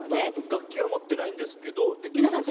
楽器は持っていないんですけどできるんですね？